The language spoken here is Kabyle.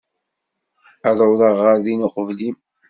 Ad awḍeɣ ɣer din uqbel-im.